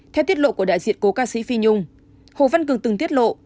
theo tiết lộ của đại diện cố ca sĩ phi nhung hồ văn cường từng tiết lộ